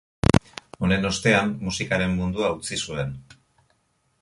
Honen ostean, musikaren mundua utzi zuen.